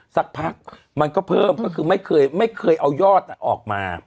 สักพักมันก็เพิ่มก็คือไม่เคยเอายอดออกมา